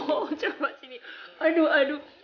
aku bicara sebentar ya